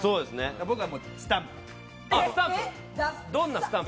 僕はスタンプ。